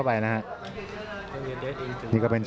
อัศวินาศาสตร์